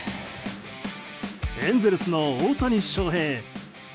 エンゼルスの大谷翔平。